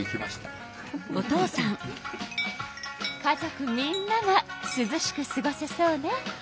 家族みんながすずしくすごせそうね。